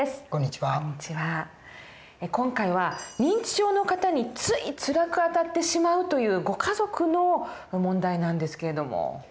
今回は認知症の方についつらくあたってしまうというご家族の問題なんですけれども。